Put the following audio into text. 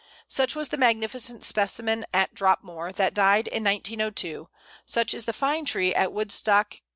Such was the magnificent specimen at Dropmore that died in 1902, such is the fine tree at Woodstock, Co.